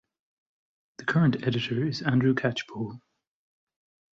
The current editor is Andrew Catchpole.